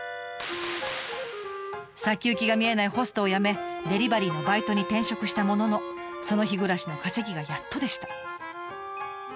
先行きが見えないホストを辞めデリバリーのバイトに転職したもののその日暮らしの稼ぎがやっとでした。